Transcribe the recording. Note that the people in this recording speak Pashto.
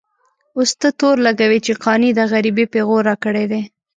اوس ته تور لګوې چې قانع د غريبۍ پېغور راکړی دی.